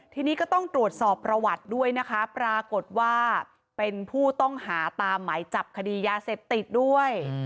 ทีนี้ก็ต้องตรวจสอบประวัติด้วยนะคะปรากฏว่าเป็นผู้ต้องหาตามหมายจับคดียาเสพติดด้วย